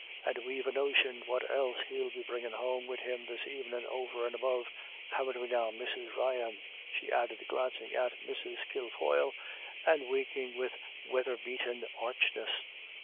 And we've a notion what else he'll be bringin' home wid him this evenin', over and above, haven't we now, Mrs. Ryan ?" she added, glancing at Mrs. Kilfoyle, and winking with weather beaten archness.